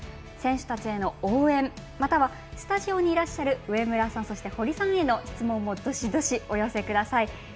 選手たちへの応援またはスタジオにいらっしゃる上村さん、そして堀さんへの質問も、どしどしお寄せください。